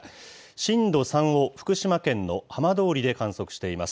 震度３を福島県の浜通りで観測しています。